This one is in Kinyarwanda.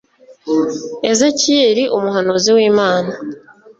Ezekiyeli umuhanuzi w’imana